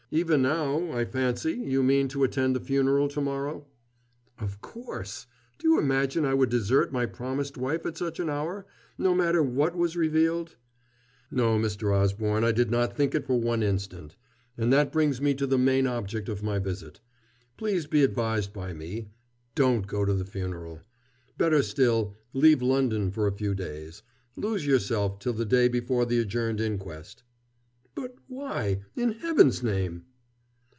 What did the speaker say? Even now, I fancy, you mean to attend the funeral to morrow?" "Of course. Do you imagine I would desert my promised wife at such an hour no matter what was revealed " "No, Mr. Osborne, I did not think it for one instant. And that brings me to the main object of my visit. Please be advised by me don't go to the funeral. Better still, leave London for a few days. Lose yourself till the day before the adjourned inquest." "But why in Heaven's name?"